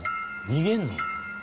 逃げるの？